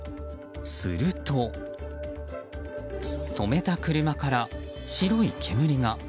すると止めた車から白い煙が。